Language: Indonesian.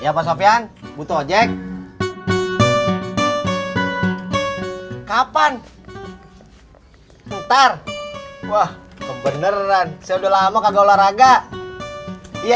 iya pak sofyan butuh jack kapan putar wah kebeneran sudah lama kagak olahraga iya